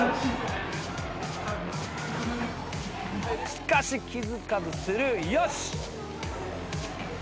しかし気付かずスルーよし！